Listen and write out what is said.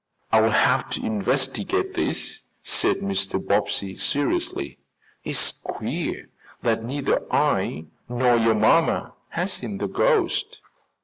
"I will have to investigate this," said Mr. Bobbsey seriously. "It is queer that neither I nor your mamma has seen the ghost."